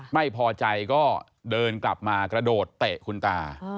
ไม่พอใจก็เดินกลับมากระโดดเตะคุณตา